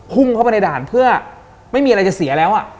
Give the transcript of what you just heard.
พุ่งเข้าไปในด่านเพื่อไม่มีอะไรจะเสียแล้ว